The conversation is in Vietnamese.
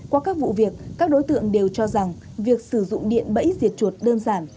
qua các vụ việc các đối tượng đều cho rằng việc sử dụng điện bẫy diệt chuột đơn giản